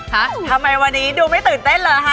คะทำไมวันนี้ดูไม่ตื่นเต้นเหรอคะ